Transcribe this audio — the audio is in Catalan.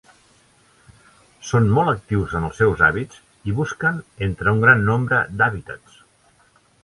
Són molt actius en els seus hàbits i busquen entre un gran nombre d'hàbitats.